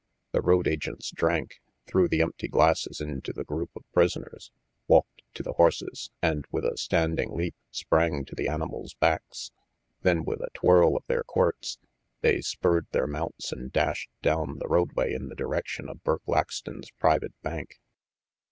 The road agents drank, threw the empty glasses into the group of prisoners, walked to the horses, and with a standing leap sprang to the animals' backs. Then, with a twirl of their quirts, they spurred their mounts and dashed down the roadway 24 RANGY PETE in the direction of Burk Laxton's private bank.